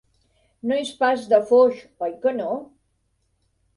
No és pas de Foix, oi que no?